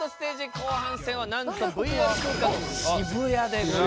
後半戦はなんとＶＲ空間の渋谷でございます。